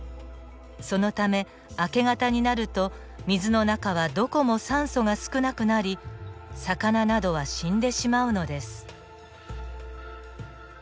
そのため明け方になると水の中はどこも酸素が少なくなり魚などは死んでしまうのです。